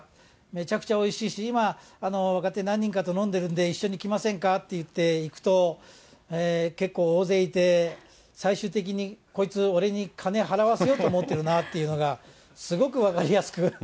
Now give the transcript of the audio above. めちゃくちゃおいしいし、今、若手何人かと飲んでるんで、一緒に来ませんかって言っていくと、結構大勢いて、最終的にこいつ、俺に金払わせようと思ってるなっていうのが、すごく分かりやすく。